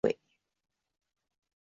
唐会昌五年因唐武宗灭佛而被毁。